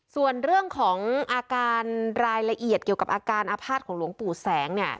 ส่วนเรื่องของอาการรายละเอียดเกี่ยวกับอาการอาภาษณ์ของหลวงปู่แสงเนี่ย